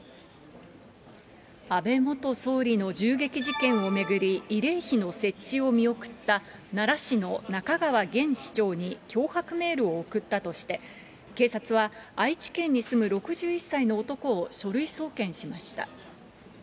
安倍元総理の銃撃事件を巡り、慰霊碑の設置を見送った奈良市のなかがわげん市長に脅迫メールを送ったとして、警察は愛知県に住む６１歳の男を書類送検しました。